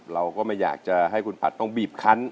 เราไม่อยากให้คุณพลาดปลาดต้องบีบคัน